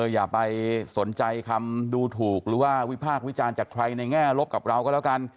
อย่าไปสนใจคำดูถูกหรือว่าวิพากษ์วิจารณ์จากใครในแง่ลบกับเราก็แล้วกัน